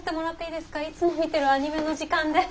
いつも見てるアニメの時間で。